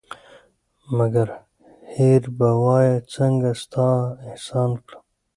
مگر هېر به وایه څنگه ستا احسان کړم